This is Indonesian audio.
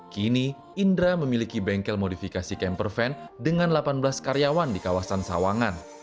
kini indra memiliki bengkel modifikasi camper van dengan delapan belas karyawan di kawasan sawangan